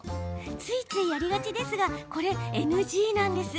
ついついやりがちですがこれＮＧなんです。